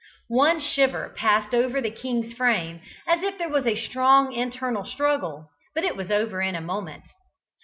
One shiver passed over the king's frame, as if there was a strong internal struggle; but it was over in a moment.